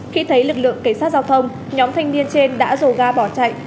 khi thấy lực lượng cảnh sát giao thông nhóm thanh niên trên đã dồ ga bỏ chạy